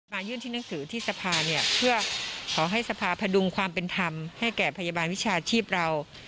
ยื่นที่หนังสือที่สภาเนี่ยเพื่อขอให้สภาพดุงความเป็นธรรมให้แก่พยาบาลวิชาชีพเรา